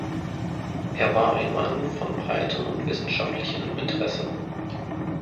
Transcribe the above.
Er war ein Mann von breitem und wissenschaftlichem Interesse.